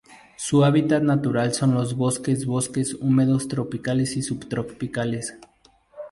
Su hábitat natural son los bosques bosques húmedos tropicales y subtropicales.